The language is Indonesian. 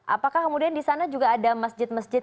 apakah kemudian di sana juga ada masjid masjid